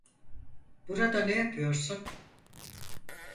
Burada ne yapiyorsun?